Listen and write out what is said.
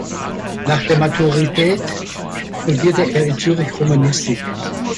Nach der Maturität studierte er in Zürich Romanistik.